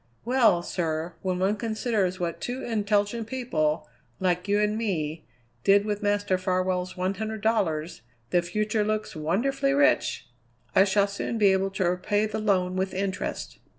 "Well, sir, when one considers what two intelligent people, like you and me, did with Master Farwell's one hundred dollars, the future looks wonderfully rich! I shall soon be able to repay the loan with interest."